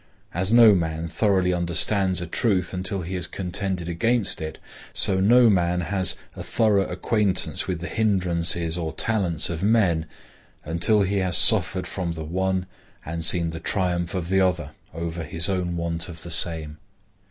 As no man thoroughly understands a truth until he has contended against it, so no man has a thorough acquaintance with the hindrances or talents of men until he has suffered from the one and seen the triumph of the other over his own want of the same.